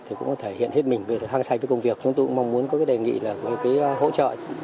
thì cũng thể hiện hết mình về thăng say với công việc chúng tôi cũng mong muốn có cái đề nghị là cái hỗ trợ